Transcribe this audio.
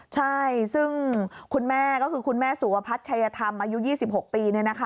ใช่ซึ่งคุณแม่ก็คือคุณแม่สุวพัฒน์ชัยธรรมอายุ๒๖ปี